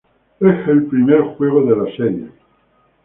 Es el primero juego de la Serie.